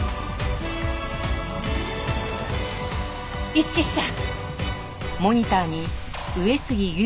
一致した！